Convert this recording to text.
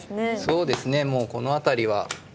そうですねもうこの辺りは。